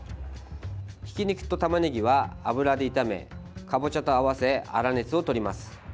ひき肉とたまねぎは油で炒めかぼちゃと合わせ粗熱をとります。